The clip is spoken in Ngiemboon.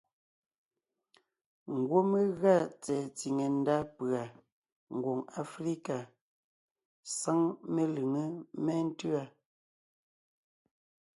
Ngwɔ́ mé gʉa tsɛ̀ɛ tsìŋe ndá pʉ̀a Ngwòŋ Aflíka sáŋ melʉŋé méntʉ́a: